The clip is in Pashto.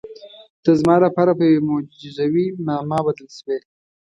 ته زما لپاره په یوې معجزوي معما بدل شوې.